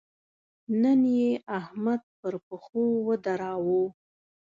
نن يې احمد پر پښو ودراوو.